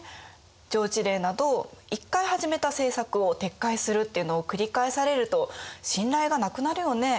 上知令など１回始めた政策を撤回するっていうのを繰り返されると信頼がなくなるよね。